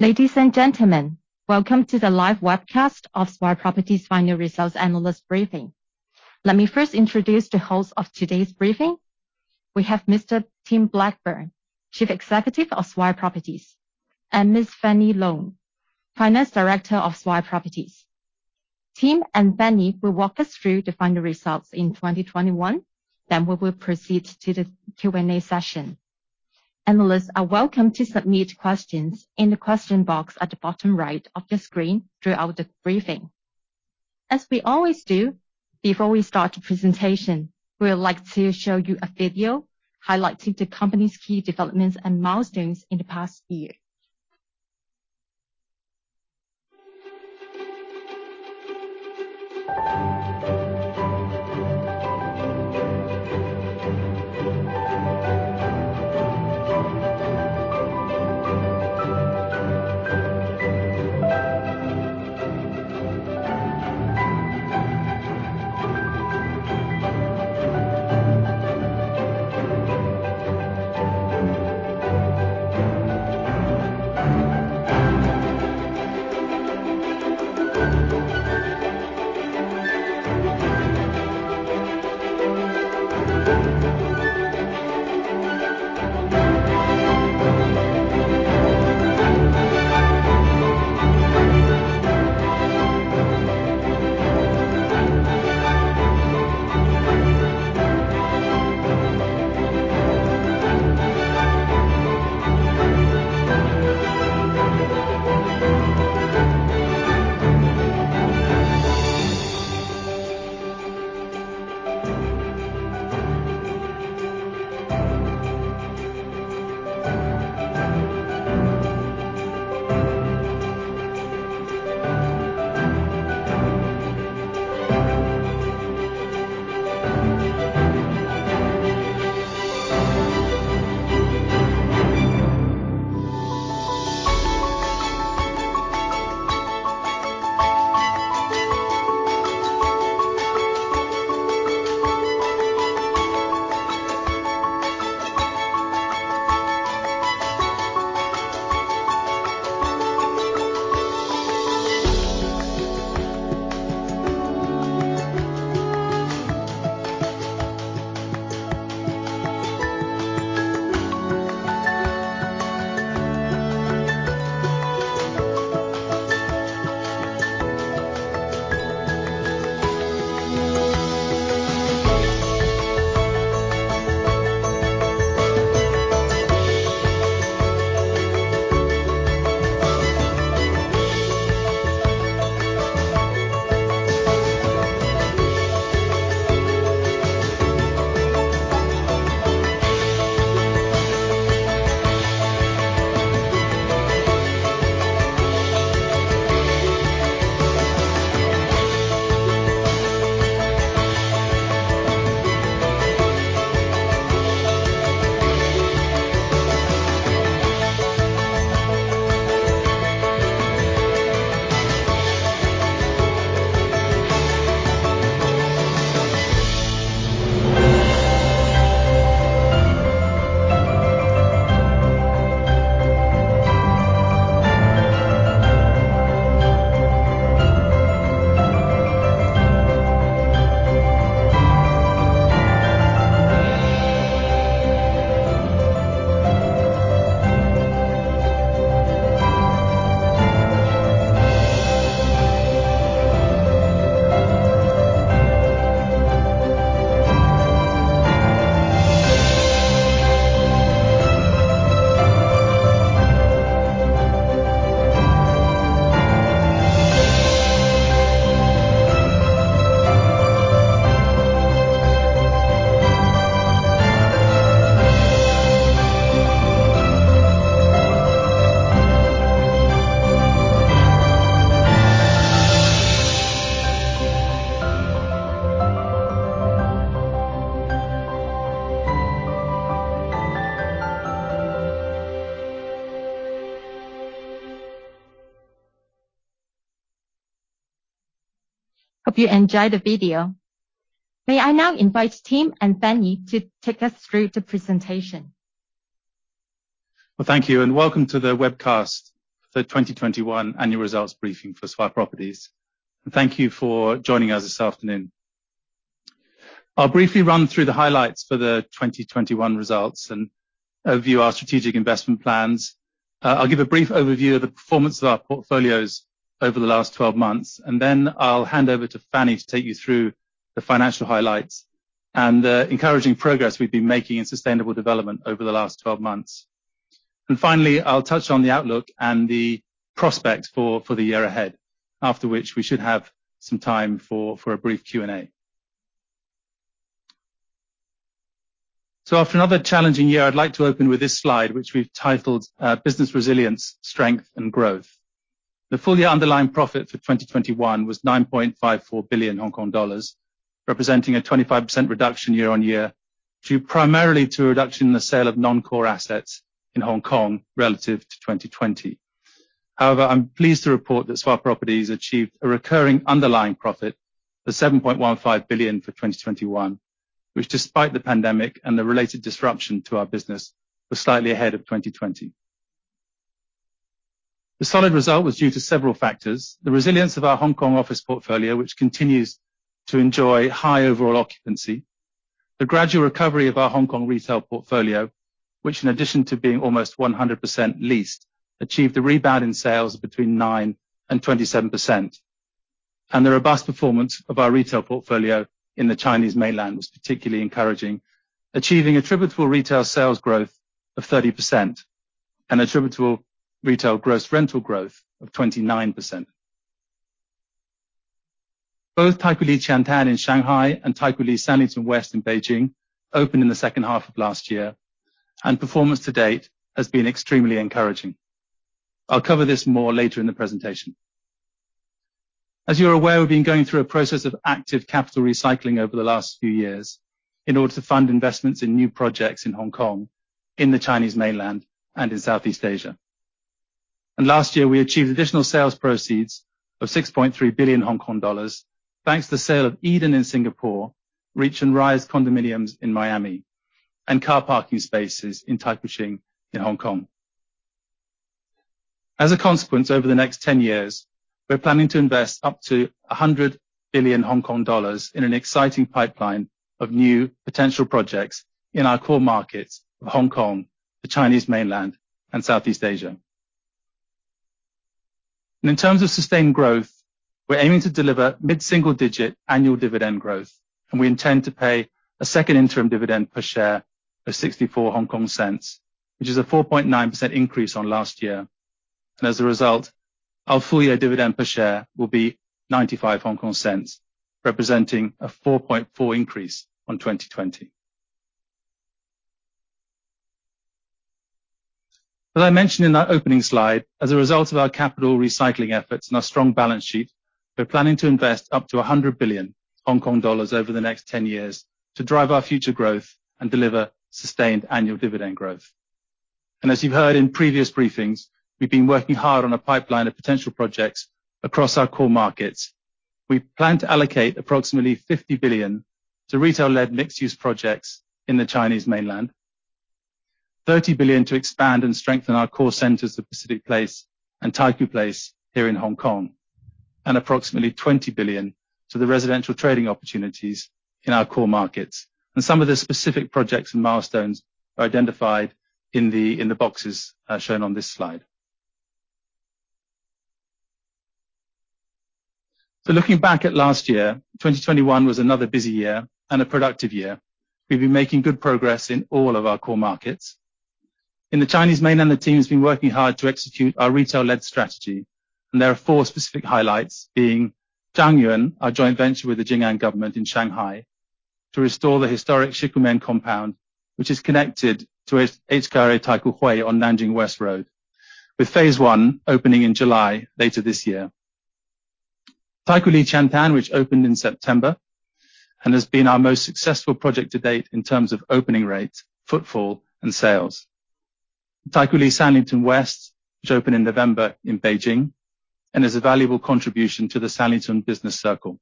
Ladies and gentlemen, welcome to the live webcast of Swire Properties final results analyst briefing. Let me first introduce the host of today's briefing. We have Mr. Tim Blackburn, Chief Executive of Swire Properties, and Ms. Fanny Lung, Finance Director of Swire Properties. Tim and Fanny will walk us through the final results in 2021, then we will proceed to the Q&A session. Analysts are welcome to submit questions in the question box at the bottom right of the screen throughout the briefing. As we always do, before we start the presentation, we would like to show you a video highlighting the company's key developments and milestones in the past year. Hope you enjoyed the video. May I now invite Tim and Fanny to take us through the presentation. Well, thank you, and welcome to the webcast for 2021 annual results briefing for Swire Properties. Thank you for joining us this afternoon. I'll briefly run through the highlights for the 2021 results and overview our strategic investment plans. I'll give a brief overview of the performance of our portfolios over the last 12 months, and then I'll hand over to Fanny to take you through the financial highlights and the encouraging progress we've been making in sustainable development over the last 12 months. Finally, I'll touch on the outlook and the prospects for the year ahead, after which we should have some time for a brief Q&A. After another challenging year, I'd like to open with this slide, which we've titled, Business Resilience, Strength and Growth. The fully underlying profit for 2021 was 9.54 billion Hong Kong dollars, representing a 25% reduction year-on-year, due primarily to a reduction in the sale of non-core assets in Hong Kong relative to 2020. However, I'm pleased to report that Swire Properties achieved a recurring underlying profit of 7.15 billion for 2021, which despite the pandemic and the related disruption to our business, was slightly ahead of 2020. The solid result was due to several factors, the resilience of our Hong Kong office portfolio, which continues to enjoy high overall occupancy, the gradual recovery of our Hong Kong retail portfolio, which in addition to being almost 100% leased, achieved a rebound in sales between 9% and 27%, and the robust performance of our retail portfolio in the Chinese Mainland was particularly encouraging. Achieving attributable retail sales growth of 30% and attributable retail gross rental growth of 29%. Both Taikoo Li Sanlitun in Shanghai and Taikoo Li Sanlitun West in Beijing opened in the second half of last year, and performance to date has been extremely encouraging. I'll cover this more later in the presentation. As you're aware, we've been going through a process of active capital recycling over the last few years in order to fund investments in new projects in Hong Kong, in the Chinese Mainland, and in Southeast Asia. Last year we achieved additional sales proceeds of 6.3 billion Hong Kong dollars, thanks to the sale of EDEN in Singapore, REACH and RISE condominiums in Miami, and car parking spaces in Taikoo Shing in Hong Kong. As a consequence, over the next 10 years, we're planning to invest up to 100 billion Hong Kong dollars in an exciting pipeline of new potential projects in our core markets of Hong Kong, the Chinese Mainland, and Southeast Asia. In terms of sustained growth, we're aiming to deliver mid-single-digit annual dividend growth, and we intend to pay a second interim dividend per share of 0.64, which is a 4.9% increase on last year. As a result, our full year dividend per share will be 0.95, representing a 4.4% increase on 2020. As I mentioned in that opening slide, as a result of our capital recycling efforts and our strong balance sheet, we're planning to invest up to 100 billion Hong Kong dollars over the next 10 years to drive our future growth and deliver sustained annual dividend growth. As you heard in previous briefings, we've been working hard on a pipeline of potential projects across our core markets. We plan to allocate approximately 50 billion to retail-led mixed-use projects in the Chinese Mainland, 30 billion to expand and strengthen our core centers of Pacific Place and Taikoo Place here in Hong Kong, and approximately 20 billion to the residential trading opportunities in our core markets. Some of the specific projects and milestones are identified in the boxes shown on this slide. Looking back at last year, 2021 was another busy year and a productive year. We've been making good progress in all of our core markets. In the Chinese Mainland, the team has been working hard to execute our retail-led strategy, and there are four specific highlights being Zhangyuan, our joint venture with the Jing'an government in Shanghai to restore the historic Shikumen compound, which is connected to its HKRI Taikoo Hui on Nanjing West Road, with phase I opening in July later this year. Taikoo Li Sanlitun, which opened in September and has been our most successful project to date in terms of opening rates, footfall, and sales. Taikoo Li Sanlitun West, which opened in November in Beijing and is a valuable contribution to the Sanlitun business circle.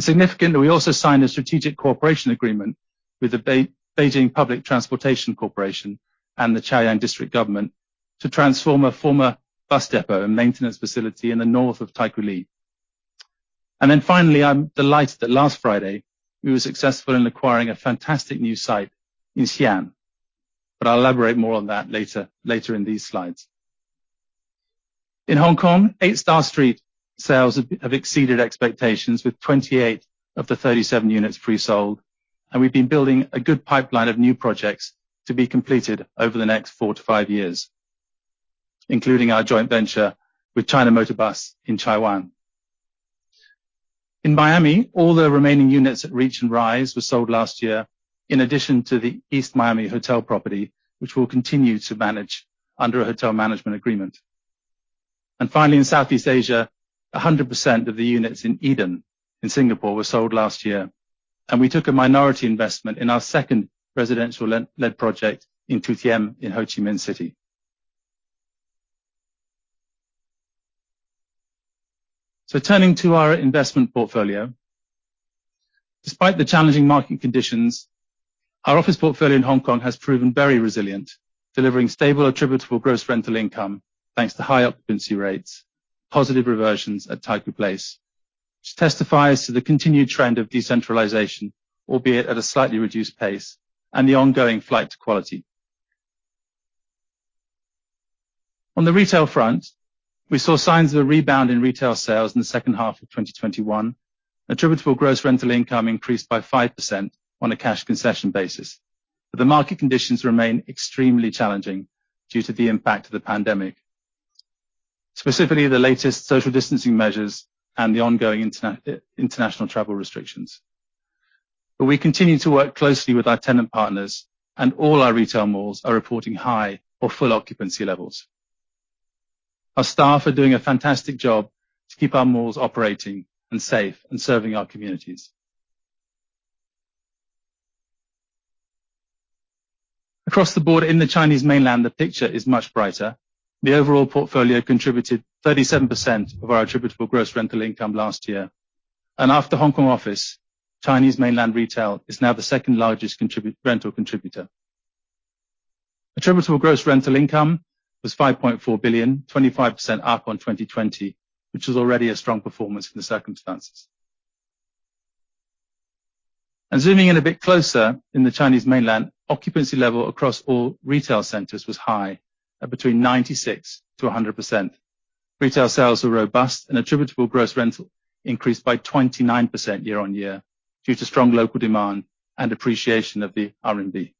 Significantly, we also signed a strategic cooperation agreement with the Beijing Public Transportation Corporation and the Chaoyang District government to transform a former bus depot and maintenance facility in the north of Taikoo Li. Finally, I'm delighted that last Friday we were successful in acquiring a fantastic new site in Xi'an. I'll elaborate more on that later in these slides. In Hong Kong, EIGHT STAR STREET sales have exceeded expectations with 28 of the 37 units pre-sold, and we've been building a good pipeline of new projects to be completed over the next 4-5 years, including our joint venture with China Motor Bus in Chai Wan. In Miami, all the remaining units at Reach and RISE were sold last year, in addition to the EAST Miami hotel property, which we'll continue to manage under a hotel management agreement. Finally, in Southeast Asia, 100% of the units in EDEN in Singapore were sold last year, and we took a minority investment in our second residential led project in Thu Thiem in Ho Chi Minh City. Turning to our investment portfolio. Despite the challenging market conditions, our office portfolio in Hong Kong has proven very resilient, delivering stable attributable gross rental income thanks to high occupancy rates, positive reversions at Taikoo Place, which testifies to the continued trend of decentralization, albeit at a slightly reduced pace, and the ongoing flight to quality. On the retail front, we saw signs of a rebound in retail sales in the second half of 2021. Attributable gross rental income increased by 5% on a cash concession basis. The market conditions remain extremely challenging due to the impact of the pandemic, specifically the latest social distancing measures and the ongoing international travel restrictions. We continue to work closely with our tenant partners, and all our retail malls are reporting high or full occupancy levels. Our staff are doing a fantastic job to keep our malls operating and safe and serving our communities. Across the board in the Chinese Mainland, the picture is much brighter. The overall portfolio contributed 37% of our attributable gross rental income last year. After Hong Kong office, Chinese Mainland retail is now the second largest rental contributor. Attributable gross rental income was 5.4 billion, 25% up on 2020, which was already a strong performance in the circumstances. Zooming in a bit closer in the Chinese Mainland, occupancy level across all retail centers was high at between 96%-100%. Retail sales were robust and attributable gross rental increased by 29% year-on-year due to strong local demand and appreciation of the RMB.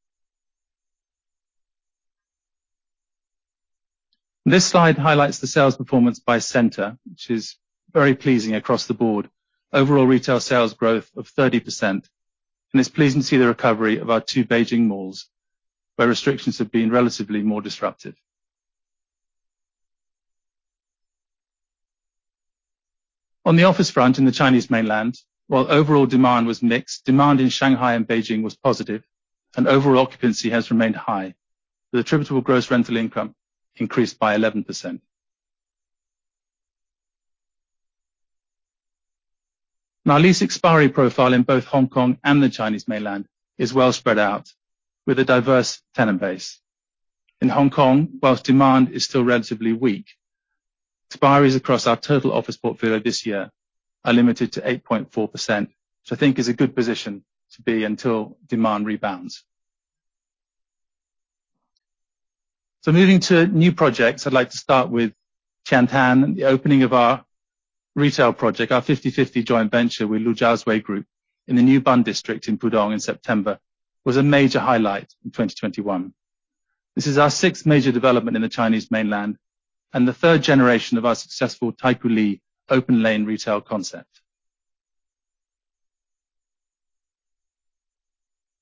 This slide highlights the sales performance by center, which is very pleasing across the board. Overall retail sales growth of 30%, and it's pleasing to see the recovery of our two Beijing malls, where restrictions have been relatively more disruptive. On the office front in the Chinese Mainland, while overall demand was mixed, demand in Shanghai and Beijing was positive and overall occupancy has remained high. The attributable gross rental income increased by 11%. Now, lease expiry profile in both Hong Kong and the Chinese Mainland is well spread out with a diverse tenant base. In Hong Kong, while demand is still relatively weak, expiries across our total office portfolio this year are limited to 8.4%, which I think is a good position to be until demand rebounds. Moving to new projects, I'd like to start with Qiantan and the opening of our retail project, our 50-50 joint venture with Lujiazui Group in the new Bund district in Pudong in September was a major highlight in 2021. This is our sixth major development in the Chinese Mainland and the third generation of our successful Taikoo Li open lane retail concept.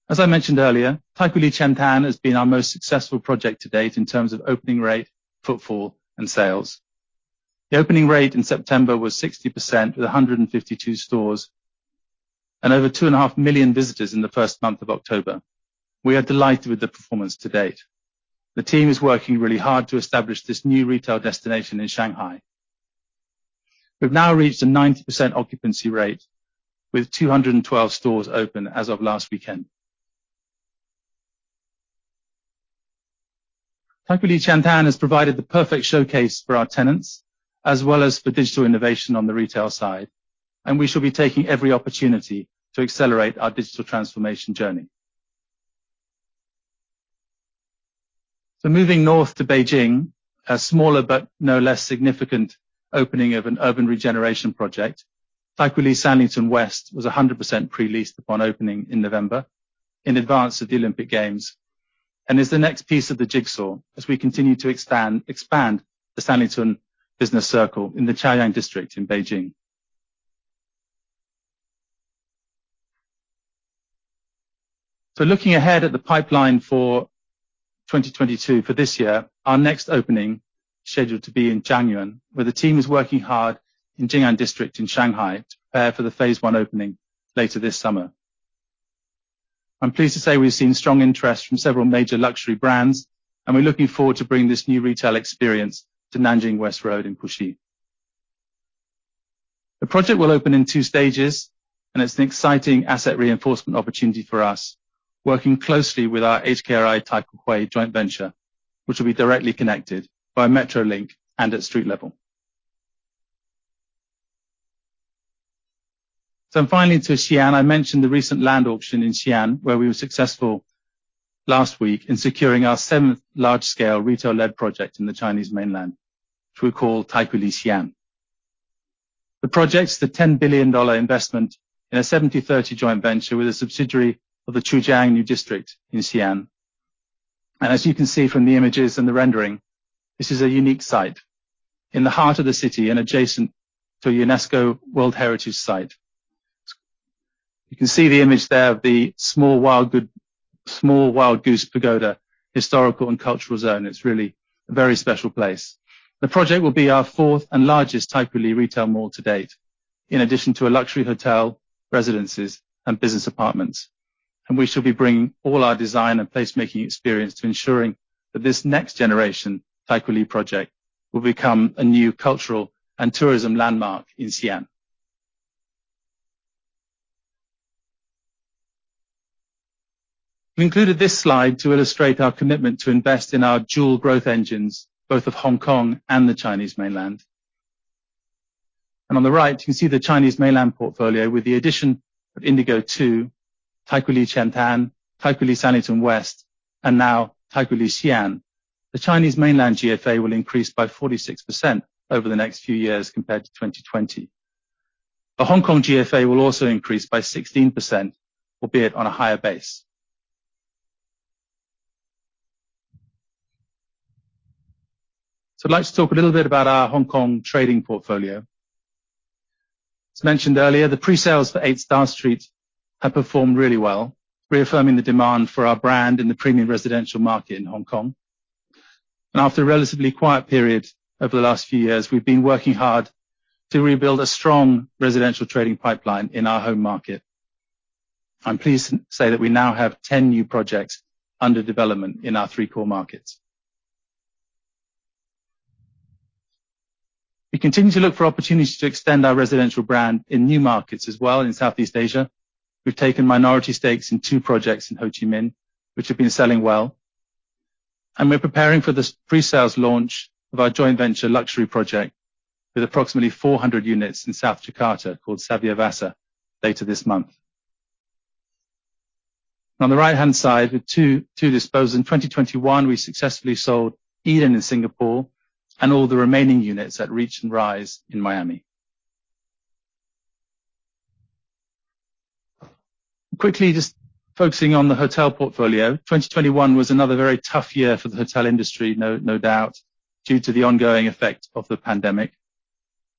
As I mentioned earlier, Taikoo Li Qiantan has been our most successful project to date in terms of opening rate, footfall, and sales. The opening rate in September was 60% with 152 stores and over 2.5 million visitors in the first month of October. We are delighted with the performance to-date. The team is working really hard to establish this new retail destination in Shanghai. We've now reached a 90% occupancy rate with 212 stores open as of last weekend. Taikoo Li Qiantan has provided the perfect showcase for our tenants as well as for digital innovation on the retail side, and we shall be taking every opportunity to accelerate our digital transformation journey. Moving north to Beijing, a smaller but no less significant opening of an urban regeneration project. Taikoo Li Sanlitun West was 100% pre-leased upon opening in November in advance of the Olympic Games, and is the next piece of the jigsaw as we continue to expand the Sanlitun business circle in the Chaoyang District in Beijing. Looking ahead at the pipeline for 2022 for this year, our next opening scheduled to be in Zhangyuan, where the team is working hard in Jing'an District in Shanghai to prepare for the phase I opening later this summer. I'm pleased to say we've seen strong interest from several major luxury brands, and we're looking forward to bringing this new retail experience to Nanjing West Road in Puxi. The project will open in two stages and it's an exciting asset reinforcement opportunity for us, working closely with our HKRI Taikoo Hui joint venture, which will be directly connected by metro link and at street level. Finally to Xi'an. I mentioned the recent land auction in Xi'an, where we were successful last week in securing our seventh large scale retail-led project in the Chinese Mainland, which we call Taikoo Li Xi'an. The project's the 10 billion dollar investment in a 70/30 joint venture with a subsidiary of the Qujiang New District in Xi'an. As you can see from the images and the rendering, this is a unique site in the heart of the city and adjacent to UNESCO World Heritage Site. You can see the image there of the Small Wild Goose Pagoda historical and cultural zone. It's really a very special place. The project will be our fourth and largest Taikoo Li retail mall to date, in addition to a luxury hotel, residences, and business apartments. We shall be bringing all our design and placemaking experience to ensuring that this next generation Taikoo Li project will become a new cultural and tourism landmark in Xi'an. We included this slide to illustrate our commitment to invest in our dual growth engines, both of Hong Kong and the Chinese Mainland. On the right, you can see the Chinese Mainland portfolio with the addition of INDIGO Phase Two, Taikoo Li Qiantan, Taikoo Li Sanlitun West, and now Taikoo Li Xi'an. The Chinese Mainland GFA will increase by 46% over the next few years compared to 2020. The Hong Kong GFA will also increase by 16%, albeit on a higher base. I'd like to talk a little bit about our Hong Kong trading portfolio. As mentioned earlier, the pre-sales for EIGHT STAR STREET have performed really well, reaffirming the demand for our brand in the premium residential market in Hong Kong. After a relatively quiet period over the last few years, we've been working hard to rebuild a strong residential trading pipeline in our home market. I'm pleased to say that we now have 10 new projects under development in our three core markets. We continue to look for opportunities to extend our residential brand in new markets as well. In Southeast Asia, we've taken minority stakes in two projects in Ho Chi Minh, which have been selling well. We're preparing for the presales launch of our joint venture luxury project with approximately 400 units in South Jakarta called Savyavasa later this month. On the right-hand side, with two disposed, in 2021, we successfully sold EDEN in Singapore and all the remaining units at REACH and RISE in Miami. Quickly just focusing on the hotel portfolio. 2021 was another very tough year for the hotel industry, no doubt, due to the ongoing effect of the pandemic.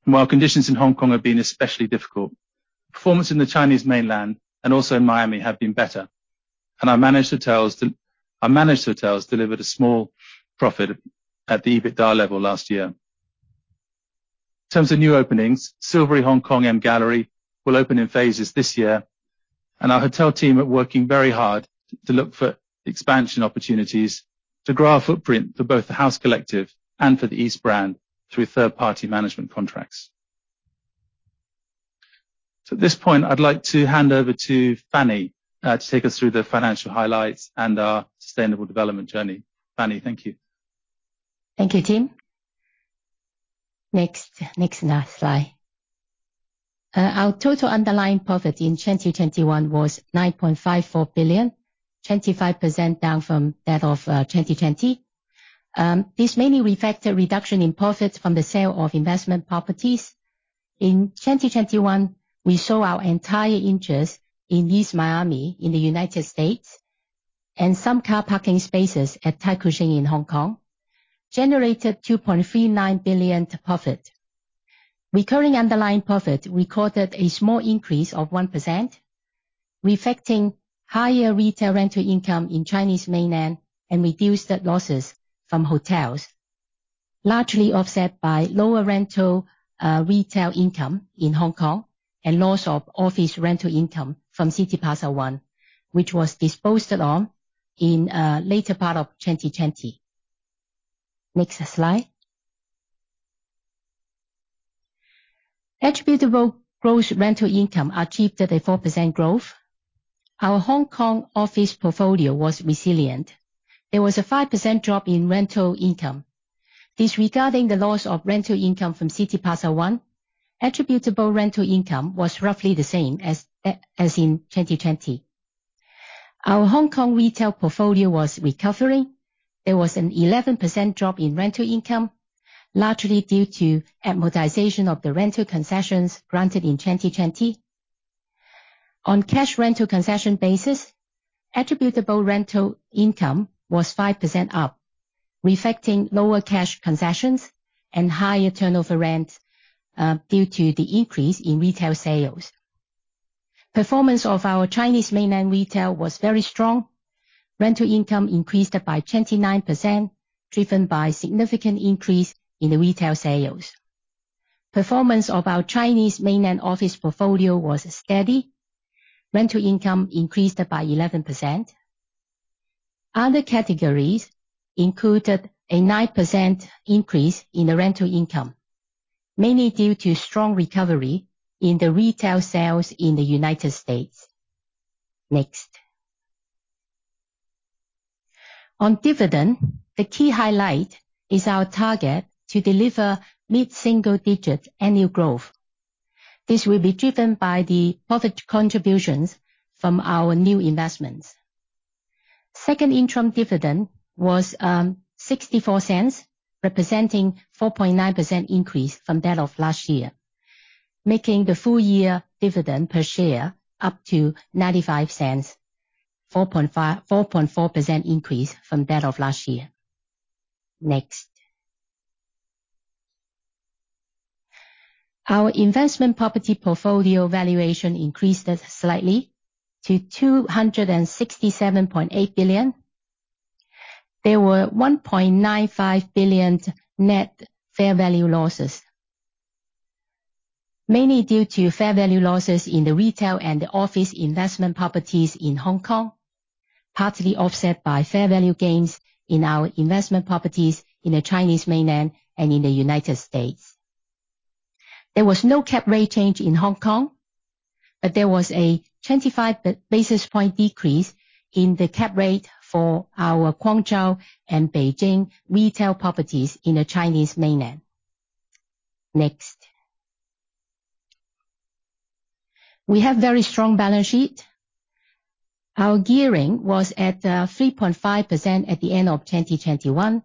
While conditions in Hong Kong have been especially difficult, performance in the Chinese Mainland and also in Miami have been better. Our managed hotels delivered a small profit at the EBITDA level last year. In terms of new openings, The Silveri Hong Kong and MGallery will open in phases this year, and our hotel team are working very hard to look for expansion opportunities to grow our footprint for both The House Collective and for the EAST brand through third-party management contracts. At this point, I'd like to hand over to Fanny, to take us through the financial highlights and our sustainable development journey. Fanny, thank you. Thank you, Tim. Next slide. Our total underlying profit in 2021 was 9.54 billion, 25% down from that of 2020. This mainly reflect a reduction in profits from the sale of investment properties. In 2021, we sold our entire interest in EAST, Miami in the United States and some car parking spaces at Taikoo Shing in Hong Kong, generated 2.39 billion profit. Recurring underlying profit recorded a small increase of 1%, reflecting higher retail rental income in Chinese Mainland and reduced net losses from hotels, largely offset by lower rental retail income in Hong Kong and loss of office rental income from Cityplaza One, which was disposed in the later part of 2020. Next slide. Attributable gross rental income achieved a 4% growth. Our Hong Kong office portfolio was resilient. There was a 5% drop in rental income. Disregarding the loss of rental income from Cityplaza One, attributable rental income was roughly the same as in 2020. Our Hong Kong retail portfolio was recovering. There was an 11% drop in rental income, largely due to amortization of the rental concessions granted in 2020. On cash rental concession basis, attributable rental income was 5% up, reflecting lower cash concessions and higher turnover rent due to the increase in retail sales. Performance of our Chinese Mainland retail was very strong. Rental income increased by 29%, driven by significant increase in the retail sales. Performance of our Chinese Mainland office portfolio was steady. Rental income increased by 11%. Other categories included a 9% increase in the rental income, mainly due to strong recovery in the retail sales in the United States. Next. On dividend, the key highlight is our target to deliver mid-single-digit annual growth. This will be driven by the profit contributions from our new investments. Second interim dividend was 0.64, representing 4.9% increase from that of last year, making the full year dividend per share up to 0.95, 4.4% increase from that of last year. Next. Our investment property portfolio valuation increased slightly to 267.8 billion. There were 1.95 billion net fair value losses, mainly due to fair value losses in the retail and the office investment properties in Hong Kong, partly offset by fair value gains in our investment properties in the Chinese Mainland and in the United States. There was no cap rate change in Hong Kong, but there was a 25 basis point decrease in the cap rate for our Guangzhou and Beijing retail properties in the Chinese Mainland. Next. We have very strong balance sheet. Our gearing was at 3.5% at the end of 2021.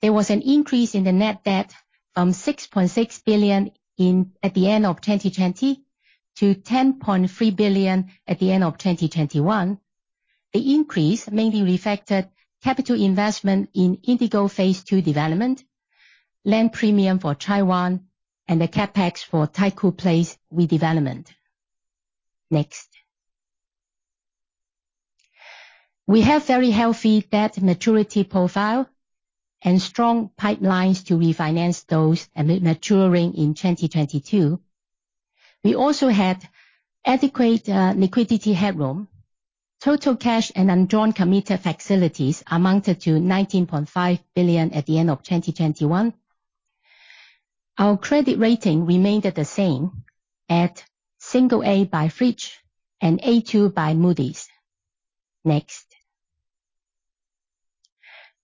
There was an increase in the net debt from 6.6 billion at the end of 2020 to 10.3 billion at the end of 2021. The increase mainly reflected capital investment in INDIGO Phase Two development, land premium for Chai Wan, and the CapEx for Taikoo Place redevelopment. Next. We have very healthy debt maturity profile and strong pipelines to refinance those maturing in 2022. We also had adequate liquidity headroom. Total cash and undrawn committed facilities amounted to 19.5 billion at the end of 2021. Our credit rating remained at the same, at A by Fitch and A2 by Moody's. Next.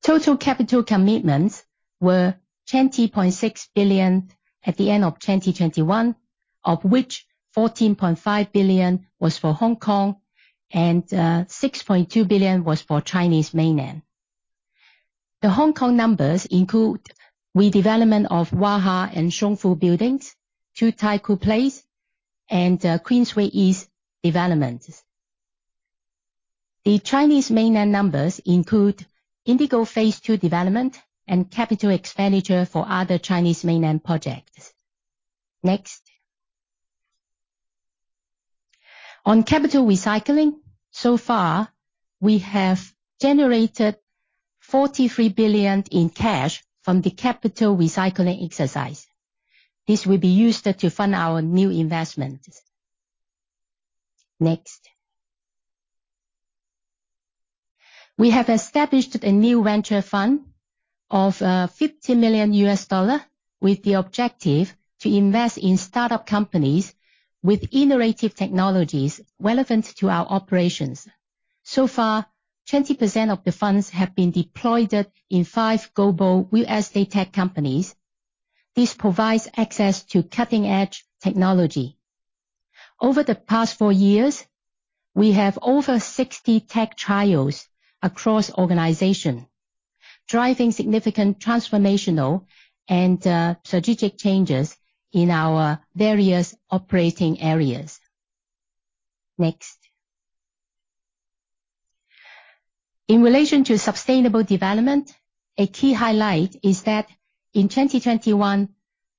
Total capital commitments were 20.6 billion at the end of 2021, of which 14.5 billion was for Hong Kong and 6.2 billion was for Chinese Mainland. The Hong Kong numbers include redevelopment of Warwick House and Somerset House to Taikoo Place and Queensway East developments. The Chinese Mainland numbers include INDIGO Phase Two development and capital expenditure for other Chinese Mainland projects. Next. On capital recycling, so far we have generated 43 billion in cash from the capital recycling exercise. This will be used to fund our new investments. Next. We have established a new venture fund of $50 million, with the objective to invest in startup companies with innovative technologies relevant to our operations. So far, 20% of the funds have been deployed in five global real estate tech companies. This provides access to cutting-edge technology. Over the past four years, we have over 60 tech trials across organization, driving significant transformational and strategic changes in our various operating areas. Next. In relation to sustainable development, a key highlight is that in 2021,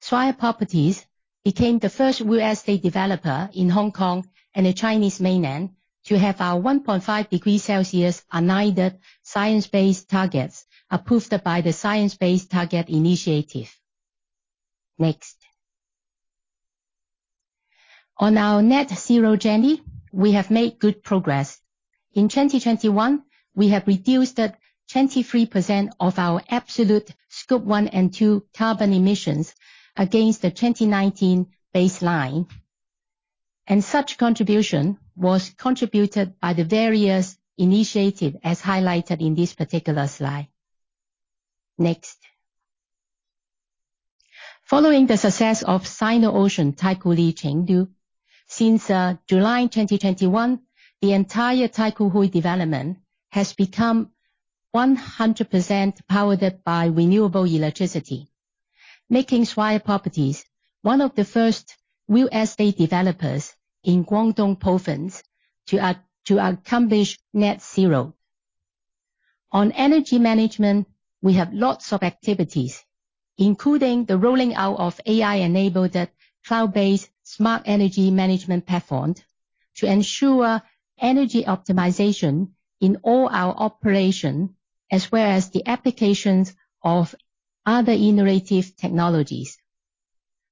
Swire Properties became the first real estate developer in Hong Kong and the Chinese Mainland to have our 1.5 degree Celsius aligned science-based targets approved by the Science Based Targets initiative. Next. On our net zero journey, we have made good progress. In 2021, we have reduced 23% of our absolute Scope 1 and 2 carbon emissions against the 2019 baseline, and such contribution was contributed by the various initiatives as highlighted in this particular slide. Next. Following the success of Sino-Ocean Taikoo Li Chengdu, since July 2021, the entire Taikoo Hui development has become 100% powered by renewable electricity, making Swire Properties one of the first real estate developers in Guangdong Province to accomplish net zero. On energy management, we have lots of activities, including the rolling out of AI-enabled cloud-based smart energy management platform to ensure energy optimization in all our operation, as well as the applications of other innovative technologies.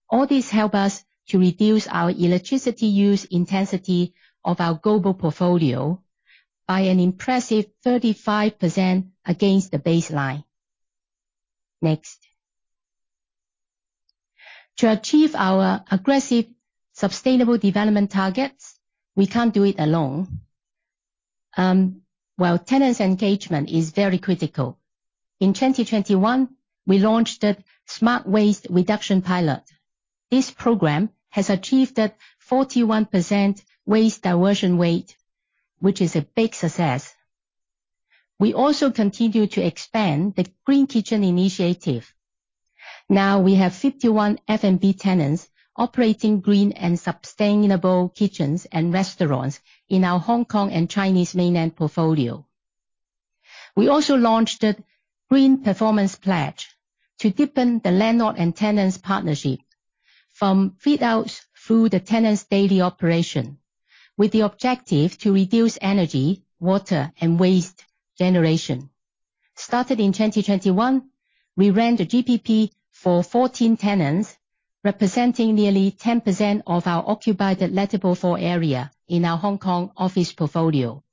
All this help us to reduce our electricity use intensity of our global portfolio by an impressive 35% against the baseline. Next. To achieve our aggressive sustainable development targets, we can't do it alone. While tenants' engagement is very critical, in 2021, we launched a smart waste reduction pilot. This program has achieved 41% waste diversion weight, which is a big success. We also continue to expand the Green Kitchen Initiative. Now we have 51 F&B tenants operating green and sustainable kitchens and restaurants in our Hong Kong and Chinese Mainland portfolio. We also launched a Green Performance Pledge to deepen the landlord and tenants partnership from fit-outs through the tenants' daily operation with the objective to reduce energy, water, and waste generation. Started in 2021, we ran the GPP for 14 tenants, representing nearly 10% of our occupied lettable floor area in our Hong Kong office portfolio.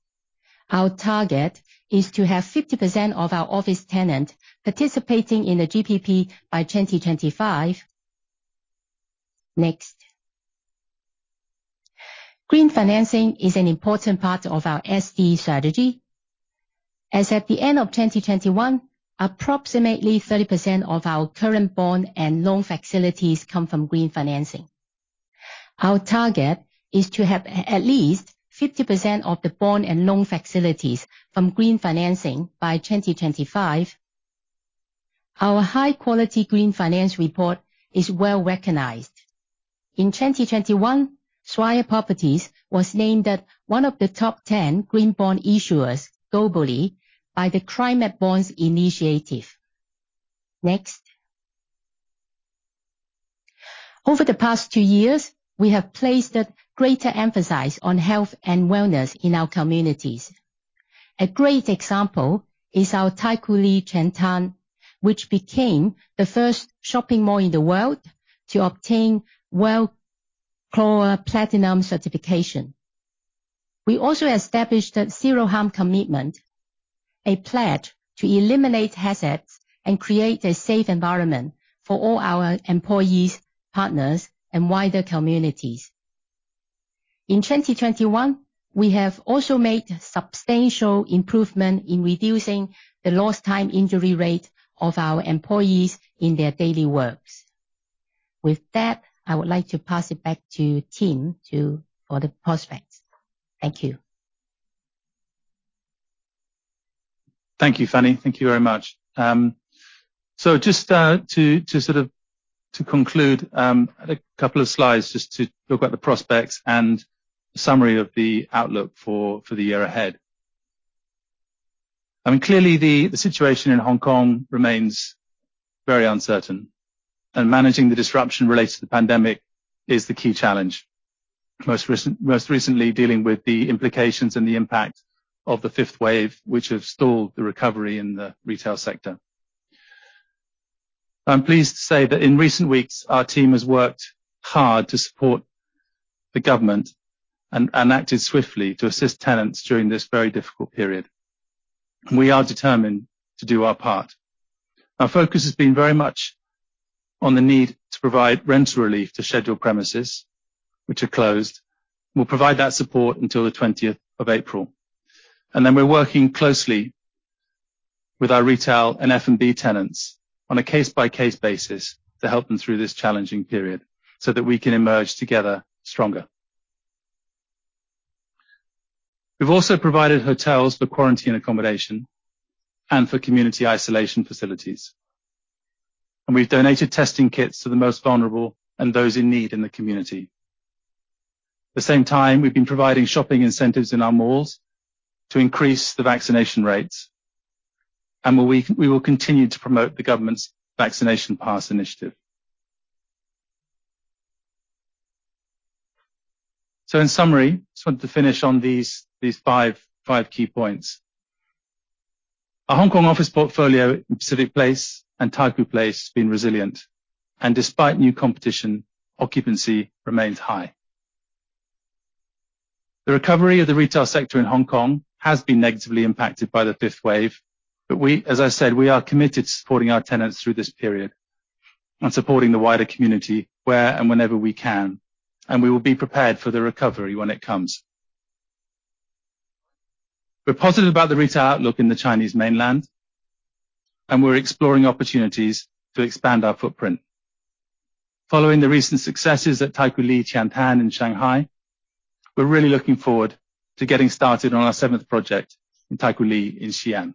Our target is to have 50% of our office tenants participating in the GPP by 2025. Next. Green financing is an important part of our SP strategy. As at the end of 2021, approximately 30% of our current bond and loan facilities come from green financing. Our target is to have at least 50% of the bond and loan facilities from green financing by 2025. Our high-quality green finance report is well recognized. In 2021, Swire Properties was named as one of the top 10 green bond issuers globally by the Climate Bonds Initiative. Over the past two years, we have placed a greater emphasis on health and wellness in our communities. A great example is our Taikoo Li Sanlitun, which became the first shopping mall in the world to obtain WELL Core Platinum certification. We also established a Zero Harm commitment, a pledge to eliminate hazards and create a safe environment for all our employees, partners, and wider communities. In 2021, we have also made substantial improvement in reducing the lost time injury rate of our employees in their daily works. With that, I would like to pass it back to Tim for the prospects. Thank you. Thank you, Fanny. Thank you very much. So just to conclude, a couple of slides just to look at the prospects and summary of the outlook for the year ahead. I mean, clearly the situation in Hong Kong remains very uncertain, and managing the disruption related to the pandemic is the key challenge. Most recently dealing with the implications and the impact of the fifth wave, which have stalled the recovery in the retail sector. I'm pleased to say that in recent weeks, our team has worked hard to support the government and acted swiftly to assist tenants during this very difficult period. We are determined to do our part. Our focus has been very much on the need to provide rental relief to scheduled premises which are closed. We'll provide that support until the 20th of April. We're working closely with our retail and F&B tenants on a case-by-case basis to help them through this challenging period, so that we can emerge together stronger. We've also provided hotels for quarantine accommodation and for community isolation facilities. We've donated testing kits to the most vulnerable and those in need in the community. At the same time, we've been providing shopping incentives in our malls to increase the vaccination rates. We will continue to promote the government's vaccination pass initiative. In summary, just wanted to finish on these five key points. Our Hong Kong office portfolio in Pacific Place and Taikoo Place has been resilient. Despite new competition, occupancy remains high. The recovery of the retail sector in Hong Kong has been negatively impacted by the fifth wave. As I said, we are committed to supporting our tenants through this period, and supporting the wider community where and whenever we can. We will be prepared for the recovery when it comes. We're positive about the retail outlook in the Chinese mainland, and we're exploring opportunities to expand our footprint. Following the recent successes at Taikoo Li Qiantan in Shanghai, we're really looking forward to getting started on our seventh project in Taikoo Li in Xi'an.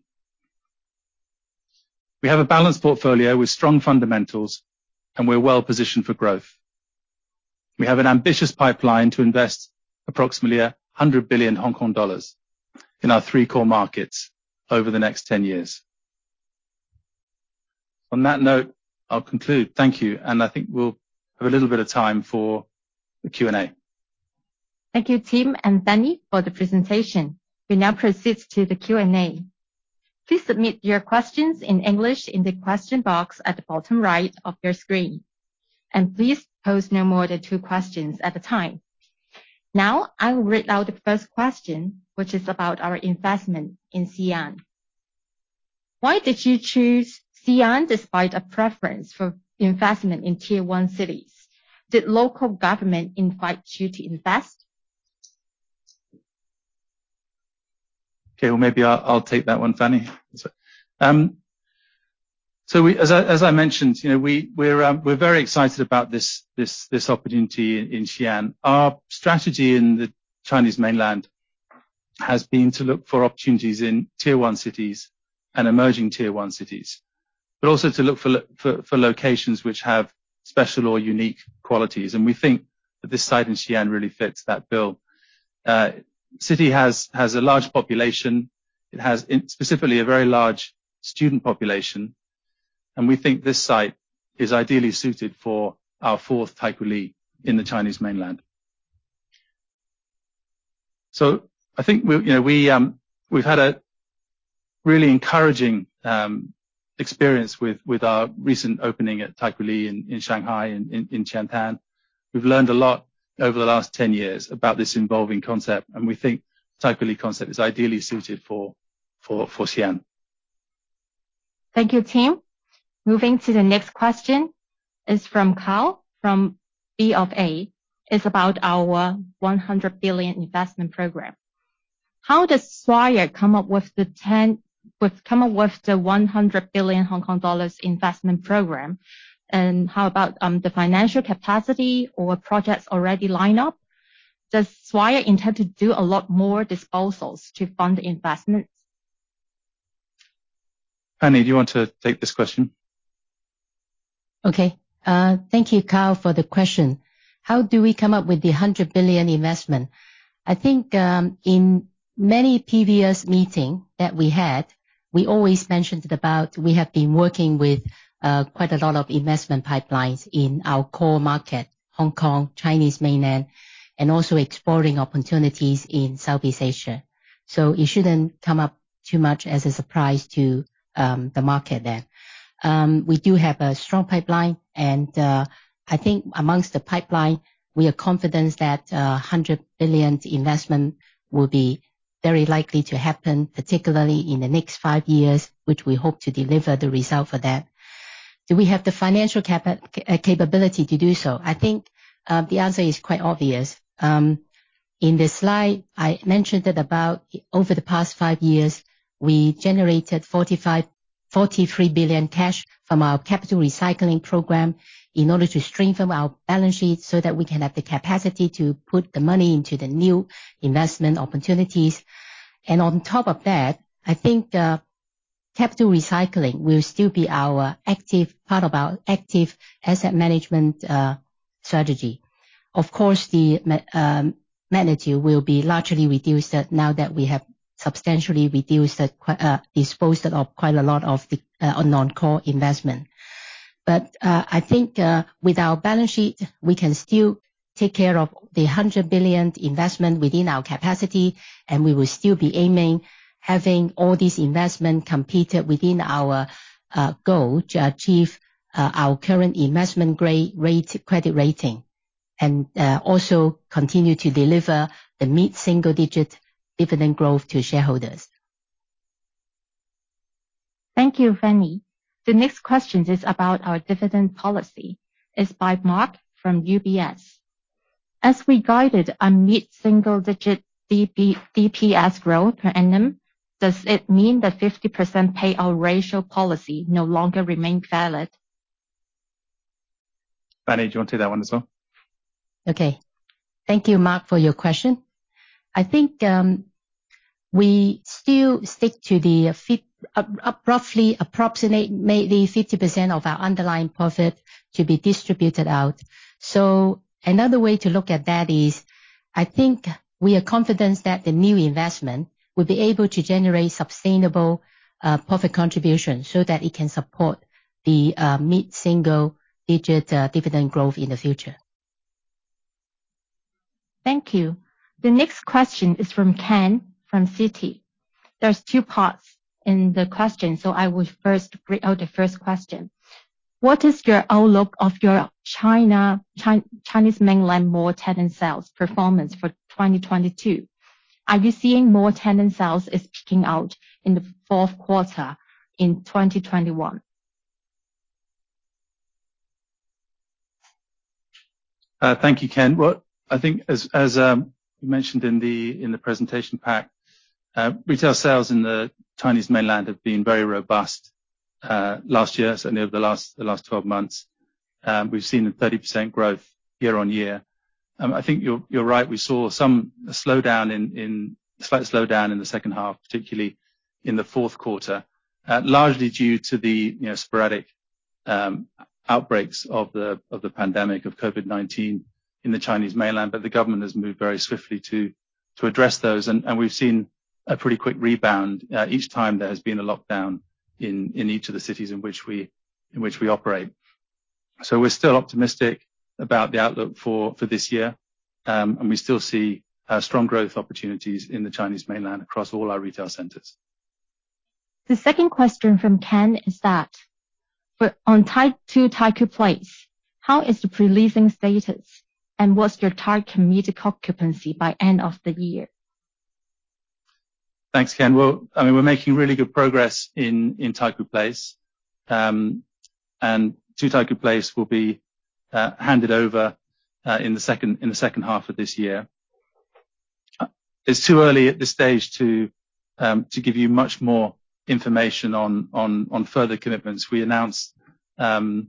We have a balanced portfolio with strong fundamentals, and we're well-positioned for growth. We have an ambitious pipeline to invest approximately 100 billion Hong Kong dollars in our three core markets over the next 10 years. On that note, I'll conclude. Thank you. I think we'll have a little bit of time for the Q&A. Thank you, Tim and Fanny, for the presentation. We now proceed to the Q&A. Please submit your questions in English in the question box at the bottom right of your screen. Please pose no more than two questions at a time. Now, I will read out the first question, which is about our investment in Xi'an. Why did you choose Xi'an despite a preference for investment in tier one cities? Did local government invite you to invest? Okay, well maybe I'll take that one, Fanny. So as I mentioned, you know, we're very excited about this opportunity in Xi'an. Our strategy in the Chinese mainland has been to look for opportunities in tier one cities and emerging tier one cities, but also to look for locations which have special or unique qualities. We think that this site in Xi'an really fits that bill. The city has a large population. It has specifically a very large student population. We think this site is ideally suited for our fourth Taikoo Li in the Chinese mainland. So I think you know, we've had a really encouraging experience with our recent opening at Taikoo Li in Shanghai, in Qiantan. We've learned a lot over the last 10 years about this evolving concept, and we think Taikoo Li concept is ideally suited for Xi'an. Thank you, Tim. Moving to the next question is from Kyle, from BofA. It's about our 100 billion investment program. How does Swire come up with the 100 billion Hong Kong dollars investment program? And how about the financial capacity or projects already lined up? Does Swire intend to do a lot more disposals to fund the investments? Fanny, do you want to take this question? Okay. Thank you, Kyle, for the question. How do we come up with the 100 billion investment? I think, in many previous meeting that we had. We always mentioned about we have been working with, quite a lot of investment pipelines in our core market, Hong Kong, Chinese mainland, and also exploring opportunities in Southeast Asia. So it shouldn't come up too much as a surprise to, the market then. We do have a strong pipeline, and, I think amongst the pipeline, we are confident that, 100 billion investment will be very likely to happen, particularly in the next five years, which we hope to deliver the result for that. Do we have the financial capability to do so? I think, the answer is quite obvious. In this slide, I mentioned that over the past five years, we generated 43 billion cash from our capital recycling program in order to strengthen our balance sheet so that we can have the capacity to put the money into the new investment opportunities. On top of that, I think, capital recycling will still be our active part of our active asset management strategy. Of course, magnitude will be largely reduced now that we have substantially disposed of quite a lot of the non-core investment. I think with our balance sheet, we can still take care of the 100 billion investment within our capacity, and we will still be aiming to have all these investments completed within our goal to achieve our current investment-grade credit rating, and also continue to deliver the mid-single-digit dividend growth to shareholders. Thank you, Fanny. The next question is about our dividend policy. It's by Mark from UBS. As we guided a mid-single-digit DPS growth per annum, does it mean the 50% payout ratio policy no longer remain valid? Fanny, do you want to take that one as well? Okay. Thank you, Mark, for your question. I think we still stick to the roughly approximately 50% of our underlying profit to be distributed out. Another way to look at that is, I think we are confident that the new investment will be able to generate sustainable profit contribution so that it can support the mid-single-digit dividend growth in the future. Thank you. The next question is from Ken, from Citi. There are two parts in the question, so I will first read out the first question. What is your outlook of your Chinese mainland mall tenant sales performance for 2022? Are you seeing mall tenant sales as peaking out in the fourth quarter in 2021? Thank you, Ken. Well, I think as you mentioned in the presentation pack, retail sales in the Chinese mainland have been very robust last year, certainly over the last 12 months. We've seen a 30% growth year-on-year. I think you're right, we saw a slight slowdown in the second half, particularly in the fourth quarter, largely due to you know, sporadic outbreaks of the pandemic of COVID-19 in the Chinese mainland. The government has moved very swiftly to address those. We've seen a pretty quick rebound each time there has been a lockdown in each of the cities in which we operate. We're still optimistic about the outlook for this year. We still see strong growth opportunities in the Chinese mainland across all our retail centers. The second question from Ken is that, for Two Taikoo Place, how is the pre-leasing status, and what's your target committed occupancy by end of the year? Thanks, Ken. Well, I mean, we're making really good progress in Taikoo Place. Two Taikoo Place will be handed over in the second half of this year. It's too early at this stage to give you much more information on further commitments. We announced, you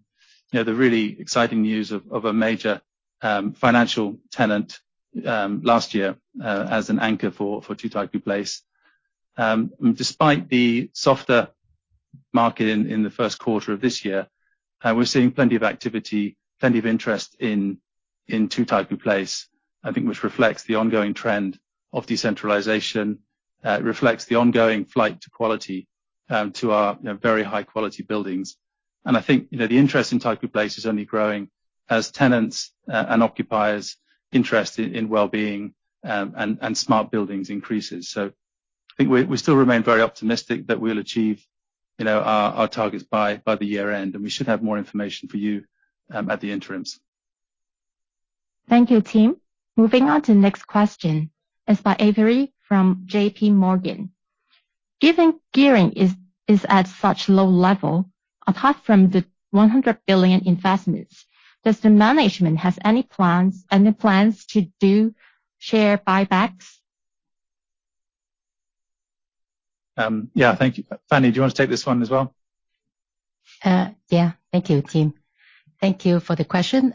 know, the really exciting news of a major financial tenant last year as an anchor for Two Taikoo Place. Despite the softer market in the first quarter of this year, we're seeing plenty of activity, plenty of interest in Two Taikoo Place, I think, which reflects the ongoing trend of decentralization. It reflects the ongoing flight to quality to our, you know, very high quality buildings. I think, you know, the interest in Taikoo Place is only growing as tenants and occupiers' interest in wellbeing and smart buildings increases. I think we still remain very optimistic that we'll achieve, you know, our targets by the year-end, and we should have more information for you at the interims. Thank you, team. Moving on to next question is by Avery from JPMorgan. Given gearing is at such low level, apart from the 100 billion investments, does the management has any plans to do share buybacks? Yeah, thank you. Fanny, do you want to take this one as well? Yeah. Thank you, team. Thank you for the question.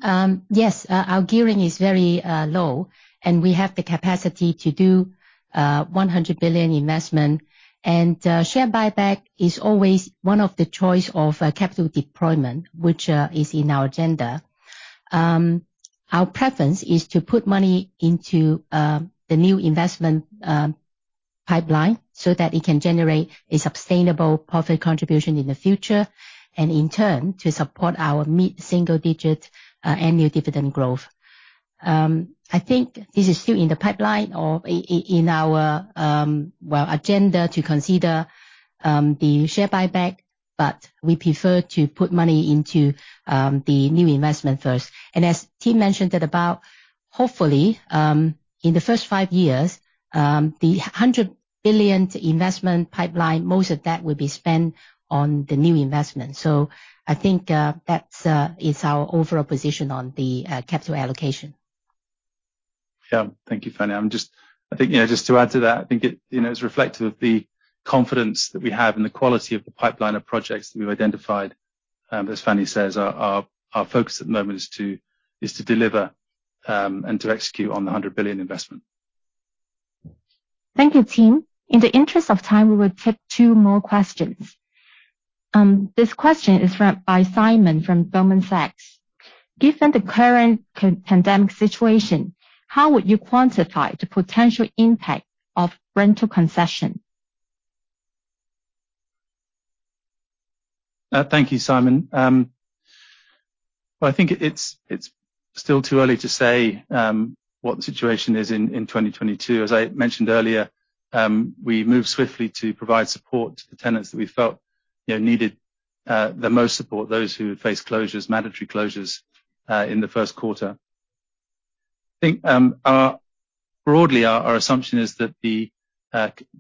Yes, our gearing is very low, and we have the capacity to do 100 billion investment. Share buyback is always one of the choice of capital deployment, which is in our agenda. Our preference is to put money into the new investment pipeline so that it can generate a sustainable profit contribution in the future, and in turn, to support our mid-single digit annual dividend growth. I think this is still in the pipeline or in our well agenda to consider the share buyback, but we prefer to put money into the new investment first. As Tim mentioned, that's about hopefully in the first five years the 100 billion investment pipeline, most of that will be spent on the new investment. I think that is our overall position on the capital allocation. Yeah. Thank you, Fanny. I think, you know, just to add to that, I think it, you know, is reflective of the confidence that we have and the quality of the pipeline of projects that we've identified. As Fanny says, our focus at the moment is to deliver and to execute on the 100 billion investment. Thank you, Tim. In the interest of time, we will take two more questions. This question is from Simon from Goldman Sachs. Given the current COVID-19 pandemic situation, how would you quantify the potential impact of rental concession? Thank you, Simon. Well, I think it's still too early to say what the situation is in 2022. As I mentioned earlier, we moved swiftly to provide support to the tenants that we felt, you know, needed the most support, those who face closures, mandatory closures, in the first quarter. I think, broadly, our assumption is that,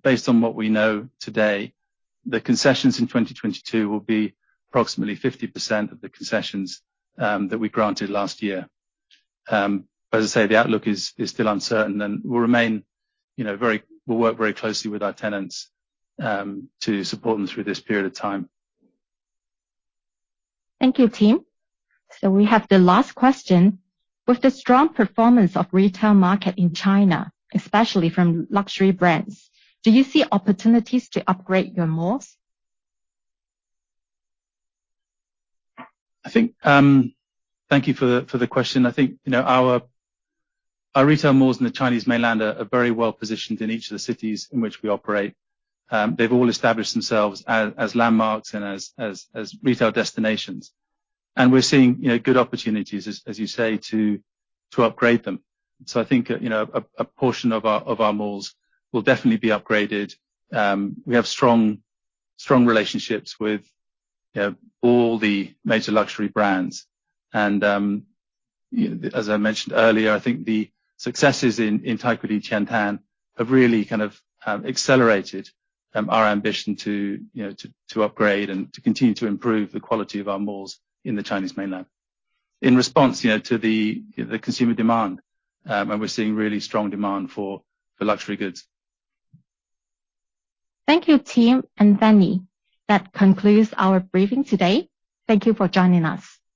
based on what we know today, the concessions in 2022 will be approximately 50% of the concessions that we granted last year. As I say, the outlook is still uncertain and will remain, you know, very. We'll work very closely with our tenants to support them through this period of time. Thank you, Tim. We have the last question. With the strong performance of the retail market in China, especially from luxury brands, do you see opportunities to upgrade your malls? I think, thank you for the question. I think, you know, our retail malls in the Chinese mainland are very well positioned in each of the cities in which we operate. They've all established themselves as retail destinations. We're seeing, you know, good opportunities, as you say, to upgrade them. I think, you know, a portion of our malls will definitely be upgraded. We have strong relationships with, you know, all the major luxury brands. You know, as I mentioned earlier, I think the successes in Taikoo Li Qiantan have really kind of accelerated our ambition to, you know, upgrade and continue to improve the quality of our malls in the Chinese mainland in response, you know, to the consumer demand, and we're seeing really strong demand for luxury goods. Thank you, Tim and Fanny. That concludes our briefing today. Thank you for joining us.